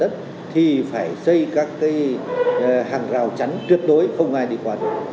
thì phải xây các cái hàng rào chắn truyệt đối không ai đi qua được